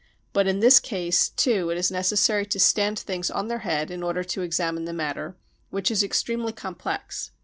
But in this case too it is necessary to stand things on their head in order to examine the matter, which is extremely complex.